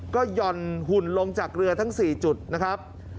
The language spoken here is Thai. ก็หย่อนหุ่นลงจากเรือทั้ง๔จุดนะครับ